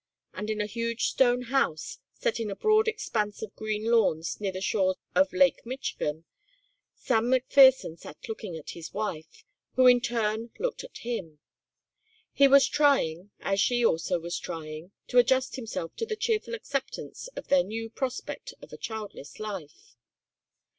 And in a huge stone house, set in a broad expanse of green lawns near the shores of Lake Michigan, Sam McPherson sat looking at his wife, who in turn looked at him. He was trying, as she also was trying, to adjust himself to the cheerful acceptance of their new prospect of a childless life.